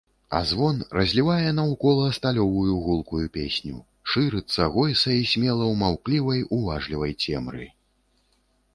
А звон разлівае наўкола сталёвую гулкую песню, шырыцца, гойсае смела ў маўклівай, уважлівай цемры.